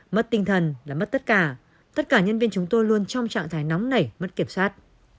mất tinh thần là mất tất cả tất cả nhân viên chúng tôi luôn trong trạng thái nóng nảy mất kiểm soát